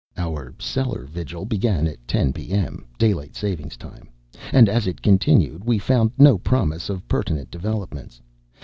Our cellar vigil began at ten p. m., daylight saving time, and as it continued we found no promise of pertinent developments.